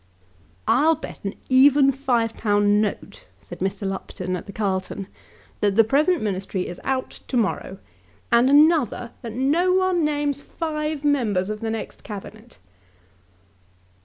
"I'll bet an even five pound note," said Mr. Lupton at the Carlton, "that the present Ministry is out to morrow, and another that no one names five members of the next Cabinet."